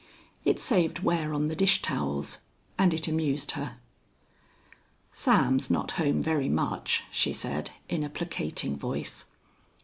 It saved wear on the dishtowels, and it amused her. "Sam's not home very much," she said in a placating voice.